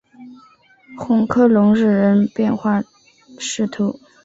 红科隆日人口变化图示